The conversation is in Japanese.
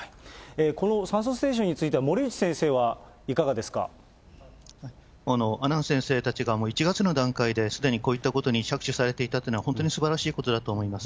この酸素ステーションについては、阿南先生たちが、１月の段階ですでにこういったことに着手されていたというのは本当にすばらしいことだと思います。